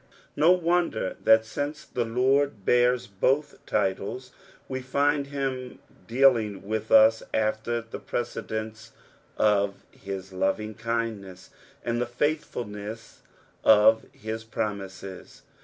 No wonder that since the Lord bean both titles, we find him dealing with ua after the precedents of his lovingkiod neaa, and the faithfulness of his promises.